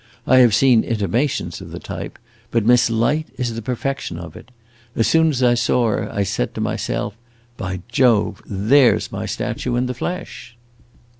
I have seen intimations of the type, but Miss Light is the perfection of it. As soon as I saw her I said to myself, 'By Jove, there 's my statue in the flesh!